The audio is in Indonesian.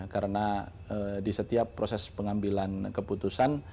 karena di setiap proses pengambilan keputusan